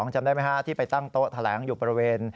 จำได้ไหมฮะที่ไปตั้งโต๊ะแถลงอยู่บริเวณ